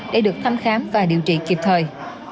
để được thăm khám và điều trị kịp thời